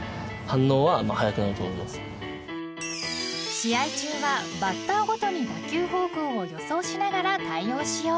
［試合中はバッターごとに打球方向を予想しながら対応しよう］